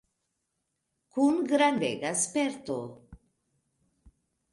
Kun grandega sperto.